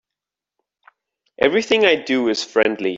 Everything I do is friendly.